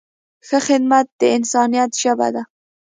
ښه خدمت د انسانیت ژبه ده.